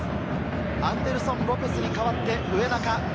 アンデルソン・ロペスに代わって植中。